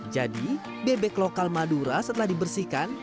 jadi bebek lokal madura setelah dibersihkan